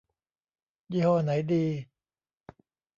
ยี่ห้อไหนดี